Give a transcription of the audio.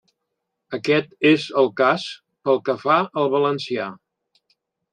Aquest és el cas pel que fa al valencià.